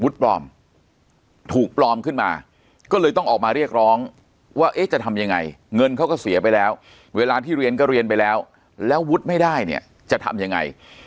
ปลอมถูกปลอมขึ้นมาก็เลยต้องออกมาเรียกร้องว่าเอ๊ะจะทำยังไงเงินเขาก็เสียไปแล้วเวลาที่เรียนก็เรียนไปแล้วแล้ววุฒิไม่ได้เนี่ยจะทำยังไง